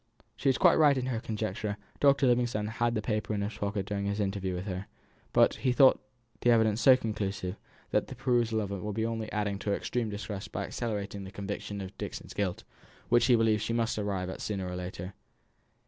She was quite right in her conjecture; Dr. Livingstone had had the paper in his pocket during his interview with her; but he thought the evidence so conclusive, that the perusal of it would only be adding to her extreme distress by accelerating the conviction of Dixon's guilt, which he believed she must arrive at sooner or later.